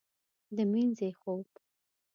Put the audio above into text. د مینځې خوب